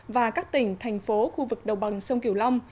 và các tỉnh thành phố khu vực đồng bằng sông kiều long